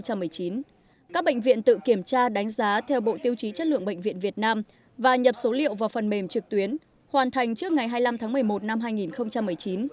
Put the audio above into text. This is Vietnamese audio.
các bệnh viện tự kiểm tra đánh giá theo bộ tiêu chí chất lượng bệnh viện việt nam và nhập số liệu vào phần mềm trực tuyến hoàn thành trước ngày hai mươi năm tháng một mươi một năm hai nghìn một mươi chín